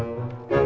gak ada apa apa